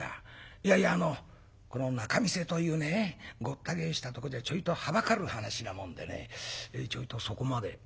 いやいやあのこの仲見世というねごった返したとこじゃちょいとはばかる話なもんでねちょいとそこまで」。